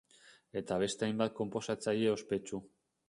Eta beste hainbat konposatzaile ospetsu.